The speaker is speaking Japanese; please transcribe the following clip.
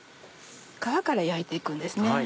皮から焼いて行くんですね。